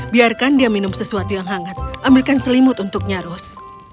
biarkan dia minum sesuatu yang hangat ambilkan selimut untuk nyarus